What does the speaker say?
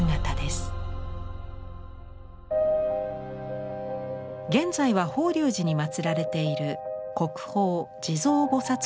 現在は法隆寺にまつられている国宝地蔵菩立像。